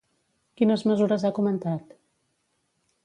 Quines mesures ha comentat?